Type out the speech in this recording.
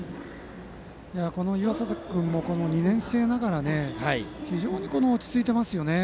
この湯浅君も２年生ながら非常に落ち着いていますね。